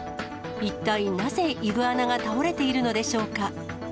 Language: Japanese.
一体、なぜイグアナが倒れているのでしょうか。